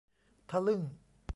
ทะลึ่ง